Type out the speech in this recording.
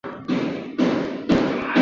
龙飙立即解救眼前这个叫田秋凤。